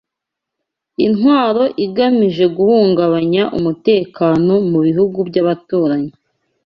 intwaro igamije guhungabanya umutekano mu bihugu by’Abaturanyi